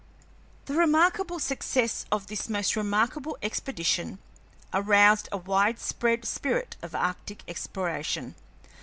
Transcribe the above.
The remarkable success of this most remarkable expedition aroused a widespread spirit of arctic exploration.